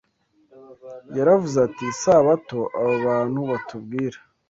Yaravuze ati, Isabato aba bantu batubwira